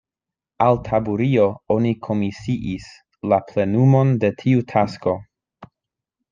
Al Taburio oni komisiis la plenumon de tiu tasko.